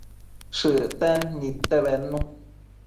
Shëcten nidte bednu